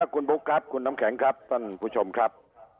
คุณบุ๊คครับคุณน้ำแข็งครับท่านผู้ชมครับ